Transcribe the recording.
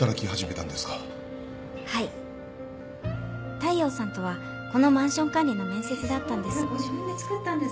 大陽さんとはこのマンション管理の面接で会ったんです。